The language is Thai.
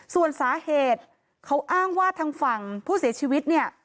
ส่วนสาเหตุเขาอ้างว่าทางฝั่งผู้เสียชีวิตเนี่ย